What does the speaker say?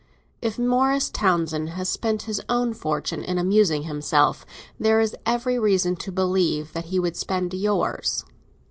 If Morris Townsend has spent his own fortune in amusing himself, there is every reason to believe that he would spend yours."